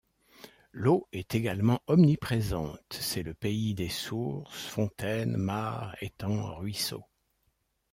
L’eau est également omniprésente, c’est le pays des sources, fontaines, mares, étangs, ruisseaux.